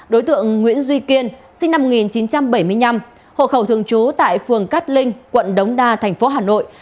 đối tượng nguyễn duy kiên sinh năm một nghìn chín trăm bảy mươi năm hộ khẩu thường trú tại phường cát linh quận đống đa thành phố hà nội